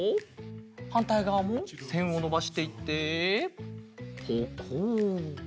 はんたいがわもせんをのばしていってポコッ。